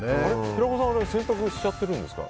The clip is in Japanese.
平子さんは、あれ洗濯しちゃってるんですか？